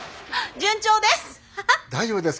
順調です。